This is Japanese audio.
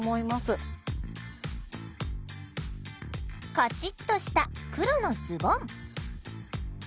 カチッとした黒のズボン。